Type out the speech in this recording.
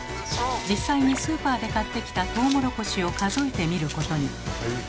実際にスーパーで買ってきたトウモロコシを数えてみることに。